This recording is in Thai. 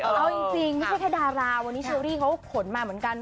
เอาจริงไม่ใช่แค่ดาราวันนี้เชอรี่เขาขนมาเหมือนกัน